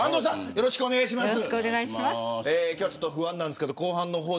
よろしくお願いします。